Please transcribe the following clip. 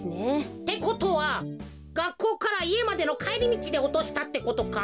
ってことはがっこうからいえまでのかえりみちでおとしたってことか？